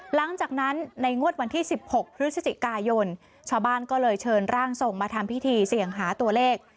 หลังจากนั้นในงวดวันที่๑๖พฤศจิกายนชาวบ้านก็เลยเชิญร่างทรงมาทำพิธีเสี่ยงหาตัวเลข